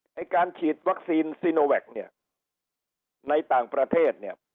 ในการฉีดวัคซีนซิโนแวคในต่างประเทศ